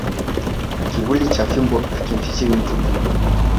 Kivuli cha fimbo hakimfichi mtu jua